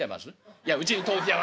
いやうちに豆腐屋は来てない。